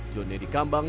jone di kampung